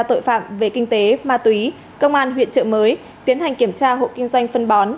tội phạm về kinh tế ma túy công an huyện trợ mới tiến hành kiểm tra hộ kinh doanh phân bón